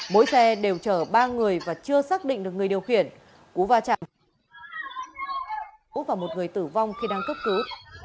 mỗi xe đều chở ba người và chưa xác định được người điều khiển cú va chạm và một người tử vong khi đang cấp cứu